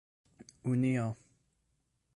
unio